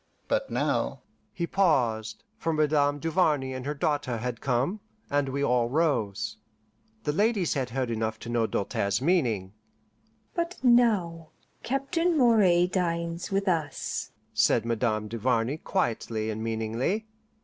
But now " He paused, for Madame Duvarney and her daughter had come, and we all rose. The ladies had heard enough to know Doltaire's meaning. "But now Captain Moray dines with us," said Madame Duvarney quietly and meaningly.